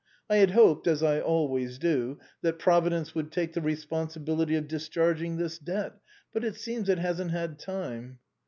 I had hoped — as I always do — that Providence would take the responsibility of discharging this debt, but it seems it hasn't had time.